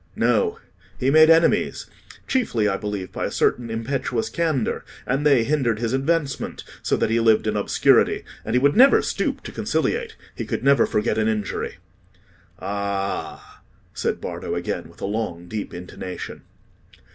"No; he made enemies—chiefly, I believe, by a certain impetuous candour; and they hindered his advancement, so that he lived in obscurity. And he would never stoop to conciliate: he could never forget an injury." "Ah!" said Bardo again, with a long, deep intonation.